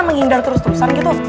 menghindar terus terusan gitu